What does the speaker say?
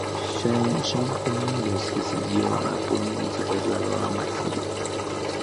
Zheng fue uno de los que siguió a Puyi en su traslado a Manchuria.